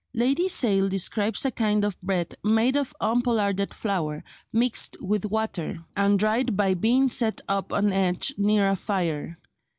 Lady Sale describes a kind of bread made of unpollarded flour mixed with water, and dried by being set up on edge near a fire.